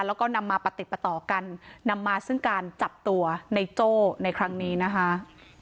แล้วก็นำมาปฏิปต่อกันนำมาซึ่งการจับตัวในโจ้ในครั้งนี้นะคะ